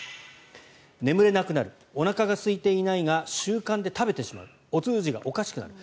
眠れなくなるおなかがすいていないが習慣で食べてしまうお通じがおかしくなる。